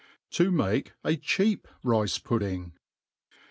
•% To mah a cheap Rice Pudding.